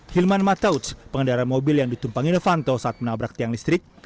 hilman matautz pengendara mobil yang ditumpangi novanto saat menabrak tiang listrik